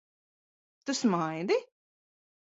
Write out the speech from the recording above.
Tu smaidi?